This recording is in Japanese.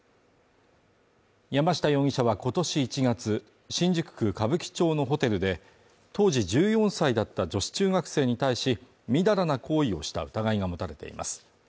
山下容疑者は今年１月、新宿区歌舞伎町のホテルで当時１４歳だった女子中学生に対し、みだらな行為をした疑いが持たれています。